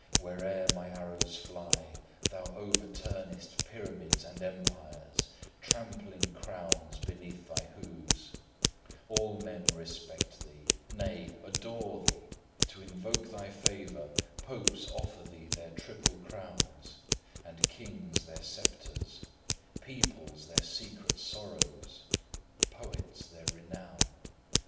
Where'er my arrows fly, thou overturnest pyramids and empires, trampling crowns beneath thy hoofs; All men respect thee; nay, adore thee! To invoke thy favour, popes offer thee their triple crowns, and kings their sceptres; peoples, their secret sorrows; poets, their renown.